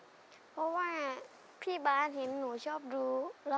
เพราะว่าพี่บาร์ดเห็นหนูชีวิตเป็นคนต่อไปครับ